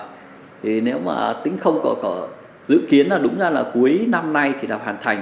thì nếu mà tính không có dự kiến là đúng ra là cuối năm nay thì đã hoàn thành